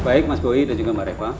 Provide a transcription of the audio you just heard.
baik mas boi dan juga mbak reva